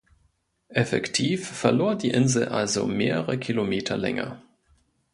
Effektiv verlor die Insel also mehrere Kilometer Länge.